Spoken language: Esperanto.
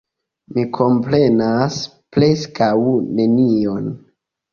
Mi komprenas preskaŭ nenion.